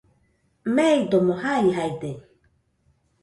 meidomo jaijaide.